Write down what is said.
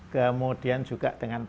kemudian juga dengan